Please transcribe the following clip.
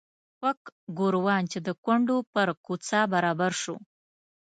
پک ګوروان چې د کونډو پر کوڅه برابر شو.